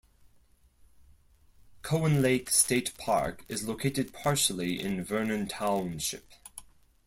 Cowan Lake State Park is located partially in Vernon Township.